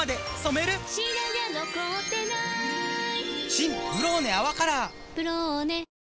新「ブローネ泡カラー」「ブローネ」